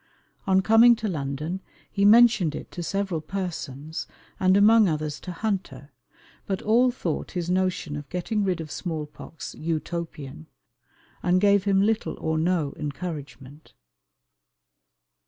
On coming to London he mentioned it to several persons, and among others to Hunter; but all thought his notion of getting rid of small pox Utopian, and gave him little or no encouragement.